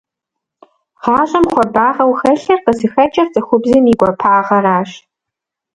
ГъащӀэм хуабагъэу хэлъыр къызыхэкӀыр цӀыхубзым и гуапагъэращ.